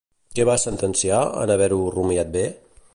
Què va sentenciar, en haver-ho rumiat bé?